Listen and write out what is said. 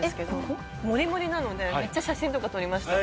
盛り盛りなのでめっちゃ写真とか撮りました。